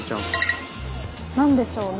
何でしょうね？